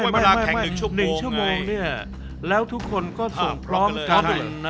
ไม่หนึ่งชั่วโมงเนี่ย